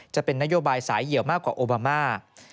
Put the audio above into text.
จะเป็นนโยบายสายเหี่ยวมากกว่าโอบามา